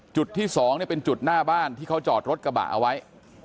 จุดที่๒เป็นจุดหน้าบ้านที่เขาจอดรถกระบะเอาไว้